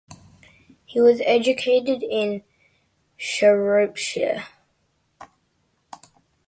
He was educated in Shropshire.